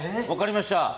分かりました。